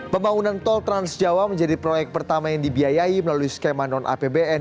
pembangunan tol transjawa menjadi proyek pertama yang dibiayai melalui skema non apbn